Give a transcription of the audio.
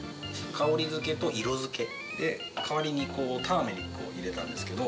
香り付けと色付けで代わりにターメリックを入れたんですけど。